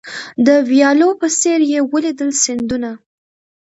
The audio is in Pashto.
د ویالو په څېر یې ولیدل سیندونه